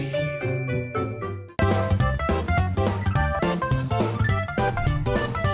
สวัสดีครับ